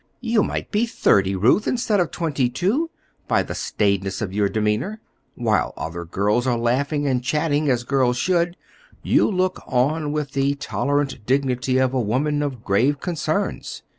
"You might be thirty, Ruth, instead of twenty two, by the staidness of your demeanor. While other girls are laughing and chatting as girls should, you look on with the tolerant dignity of a woman of grave concerns.